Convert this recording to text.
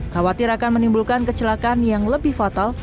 khawatir akan menimbulkan kecelakaan yang lebih fatal